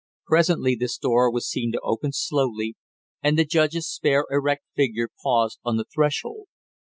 Presently this door was seen to open slowly, and the judge's spare erect figure paused on the threshold.